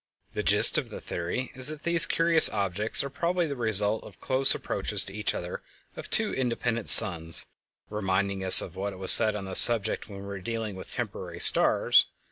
The gist of the theory is that these curious objects are probably the result of close approaches to each other of two independent suns, reminding us of what was said on this subject when we were dealing with temporary stars.